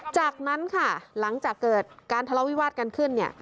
จากนั้นค่ะหลังจากเกิดการทะเลาวิวาสกันขึ้นเนี่ย